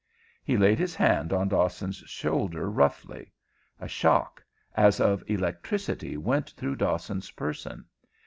He laid his hand on Dawson's shoulder roughly. A shock, as of electricity, went through Dawson's person.